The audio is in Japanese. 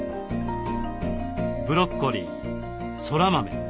ブロッコリーそら豆。